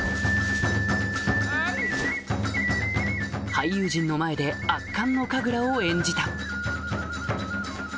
俳優陣の前で圧巻の神楽を演じた